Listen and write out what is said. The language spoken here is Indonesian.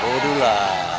bapak dulu lah